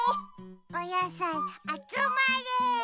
おやさいあつまれ。